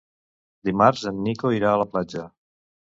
Dimarts en Nico irà a la platja.